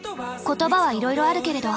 言葉はいろいろあるけれど。